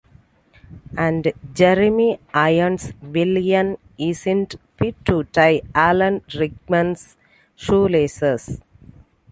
And Jeremy Irons' villain isn't fit to tie Alan Rickman's shoelaces.